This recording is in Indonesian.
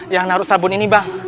yang naruh sabun ini bang